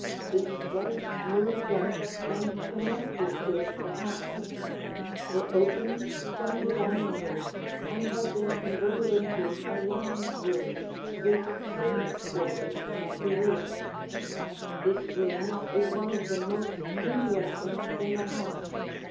This was moved up and connected with the house. It opens from the dining room and has been converted into a lounge room, with servants' quarters at the rear. This room is one of the most interesting in the house.